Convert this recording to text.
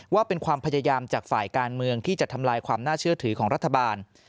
ว่าเป็นความพยายามจากฝ่ายการเมืองที่จะทำลายความน่าเชื่อถือของรัฐบาล